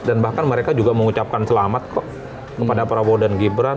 dan bahkan mereka juga mengucapkan selamat kok kepada prabowo dan gibran